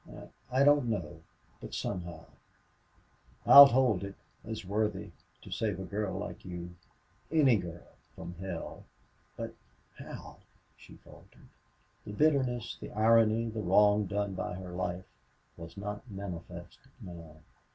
"I I don't know. But somehow.... I'd hold it as worthy to save a girl like you ANY girl from hell." "But how?" she faltered. The bitterness, the irony, the wrong done by her life, was not manifest now.